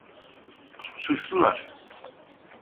Suçlular.